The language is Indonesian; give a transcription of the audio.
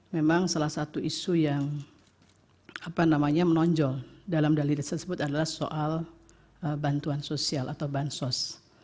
memang salah satu isu yang menonjol dalam dalil tersebut adalah soal bantuan sosial atau bansos